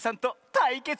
たいけつ？